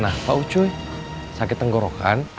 kamu kenapa ucuy sakit tenggorokan